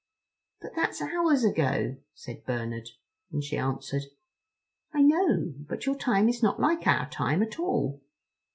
"But that's hours ago," said Bernard; and she answered: "I know. But your time is not like our time at all."